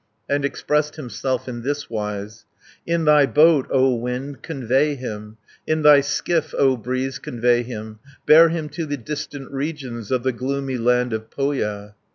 And expressed himself in thiswise: "In thy boat, O wind, convey him, In thy skiff, O breeze, convey him, Bear him to the distant regions Of the gloomy land of Pohja."